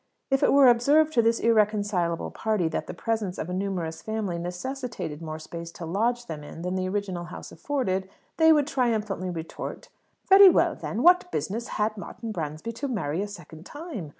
If it were observed to this irreconcilable party that the presence of a numerous family necessitated more space to lodge them in than the original house afforded, they would triumphantly retort, "Very well, then, what business had Martin Bransby to marry a second time?